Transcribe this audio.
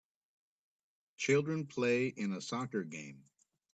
Children play in a soccer game.